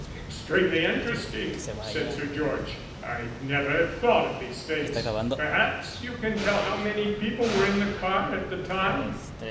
"Extremely interesting," said Sir George. "I'd never have thought of these things. Perhaps you can tell how many people were in the car at the time."